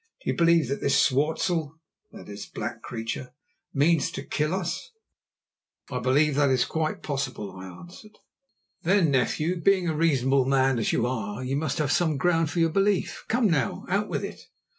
"Do you believe that this swartzel" (that is, black creature) "means to kill us?" "I believe that it is quite possible," I answered. "Then, nephew, being a reasonable man as you are, you must have some ground for your belief. Come now, out with it."